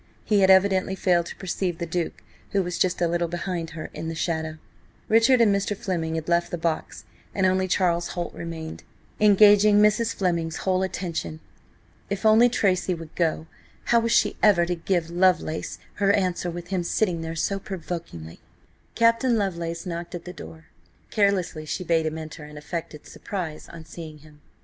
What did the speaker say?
He had evidently failed to perceive the Duke, who was just a little behind her in the shadow. Richard and Mr. Fleming had left the box, and only Charles Holt remained, engaging Mrs. Fleming's whole attention. If only Tracy would go! How was she ever to give Lovelace her answer with him sitting there so provokingly. Captain Lovelace knocked at the door. Carelessly she bade him enter, and affected surprise on seeing him.